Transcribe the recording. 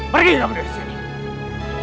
pergi kamu dari sini